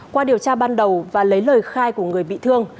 qua điều tra ban đầu và lấy lời khai của người bị thương